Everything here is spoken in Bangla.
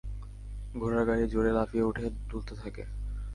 ঘোড়ার গাড়ি জোরে লাফিয়ে উঠে ঢুলতে থাকে।